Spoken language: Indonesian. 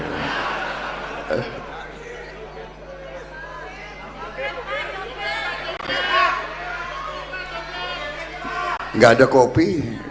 tidak ada kopi